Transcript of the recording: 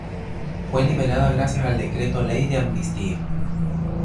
Fue liberada gracias al decreto-ley de amnistía.